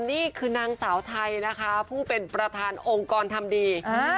นี่คือนางสาวไทยนะคะผู้เป็นประธานองค์กรทำดี